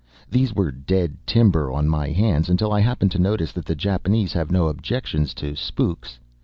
These were dead timber on my hands until I happened to notice that the Japanese have no objections to spooks.